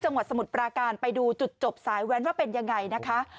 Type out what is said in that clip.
สมุทรปราการไปดูจุดจบสายแว้นว่าเป็นยังไงนะคะ